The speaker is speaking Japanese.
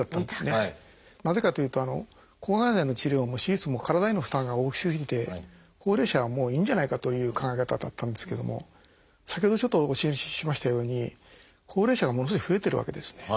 なぜかというと抗がん剤の治療も手術も体への負担が大きすぎて高齢者はもういいんじゃないかという考え方だったんですけども先ほどちょっとお教えしましたように高齢者がものすごい増えてるわけですね。